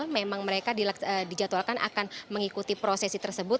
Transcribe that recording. memang mereka dijadwalkan akan mengikuti prosesi tersebut